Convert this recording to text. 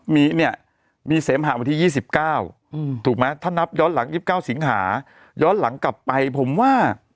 มีเนี่ยมีเสมหาวันที่๒๙ถูกไหมถ้านับย้อนหลัง๒๙สิงหาย้อนหลังกลับไปผมว่า